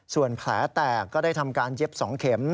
ส่วนแผลแตกก็ได้ทำการเย็บ๒เข็ม